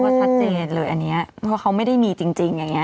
ชัดเจนเลยอันนี้เพราะเขาไม่ได้มีจริงอย่างนี้